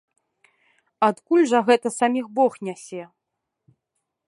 Адкуль жа гэта саміх бог нясе?